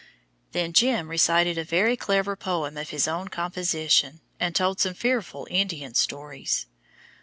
Then "Jim" recited a very clever poem of his own composition, and told some fearful Indian stories.